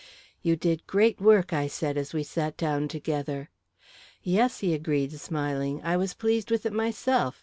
"You did great work," I said, as we sat down together. "Yes," he agreed, smiling, "I was pleased with it myself.